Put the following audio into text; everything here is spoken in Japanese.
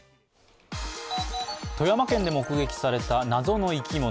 富山県で目撃された謎の生き物。